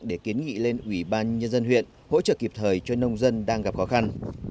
để kiến nghị lên ubnd huyện hỗ trợ kịp thời cho nông dân đang gặp khó khăn